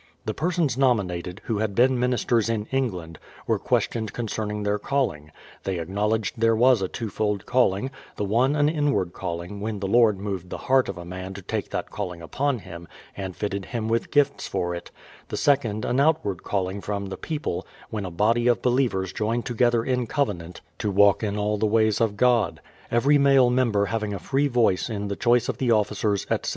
The persons nominated, who had been ministers in England, were questioned concerning their calling. They acknowledged there was a twofold calling; the one an in ward calling, when the Lord moved the heart of a man to take that calling upon him, and fitted him with gifts for it; the second an outward calling from the people, when a body of believers join together in covenant, to walk in all the ways of God ; every male member having a free voice in the choice of the officers, etc.